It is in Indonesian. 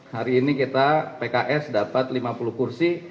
hari ini kita pks dapat lima puluh kursi